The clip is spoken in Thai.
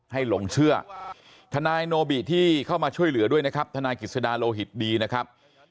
หลงเชื่อทนายโนบิที่เข้ามาช่วยเหลือด้วยนะครับทนายกิจสดาโลหิตดีนะครับ